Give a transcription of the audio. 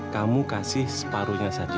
kamu kasih separuhnya saja